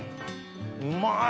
うまい！